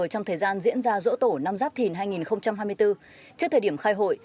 trong thời gian diễn ra dỗ tổ năm giáp thìn hai nghìn hai mươi bốn trước thời điểm khai hội